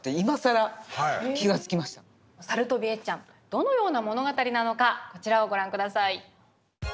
どのような物語なのかこちらをご覧下さい。